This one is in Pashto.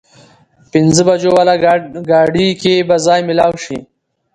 پينځه بجو واله ګاډي کې به ځای مېلاو شي؟